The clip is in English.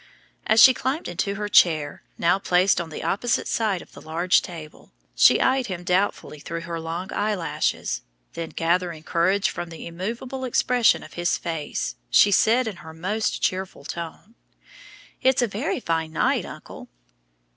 As she climbed into her chair, now placed on the opposite side of the large table, she eyed him doubtfully through her long eyelashes; then gathering courage from the immovable expression of his face, she said in her most cheerful tone, "It's a very fine night, uncle."